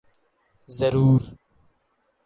ضرور۔